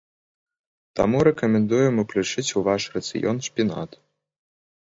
Таму рэкамендуем уключыць у ваш рацыён шпінат.